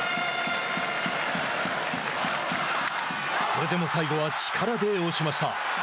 それでも最後は力で押しました。